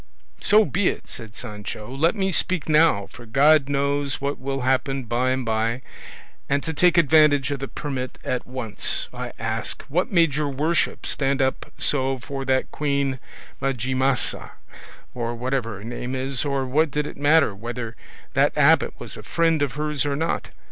"So be it," said Sancho; "let me speak now, for God knows what will happen by and by; and to take advantage of the permit at once, I ask, what made your worship stand up so for that Queen Majimasa, or whatever her name is, or what did it matter whether that abbot was a friend of hers or not?